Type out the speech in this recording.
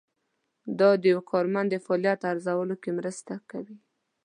دا د یو کارمند د فعالیت په ارزولو کې مرسته کوي.